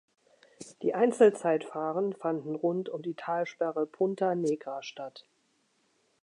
Die Einzelzeitfahren fanden rund um die Talsperre Punta Negra statt.